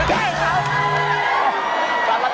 ไม่ได้ครับ